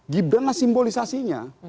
gibran lah simbolisasinya